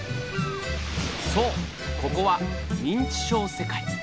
そうここは認知症世界。